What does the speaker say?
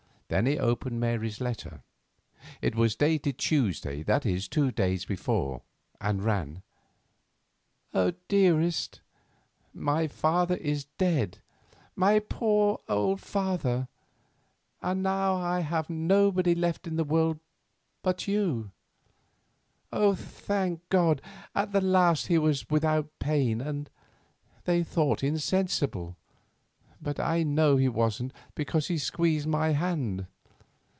Then he opened Mary's letter. It was dated Tuesday, that is, two days before, and ran: "DEAREST,—My father is dead, my poor old father, and now I have nobody but you left in the world. Thank God, at the last he was without pain and, they thought, insensible; but I know he wasn't, because he squeezed my hand.